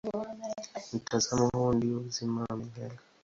Mtazamo huo ndio uzima wa milele.